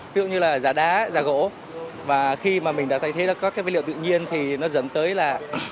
ví dụ như là giả đá giả gỗ và khi mà mình đã thay thế ra các cái vật liệu tự nhiên thì nó dẫn tới là